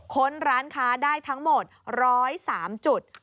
ค้นร้านค้าได้ทั้งหมด๑๐๓จุด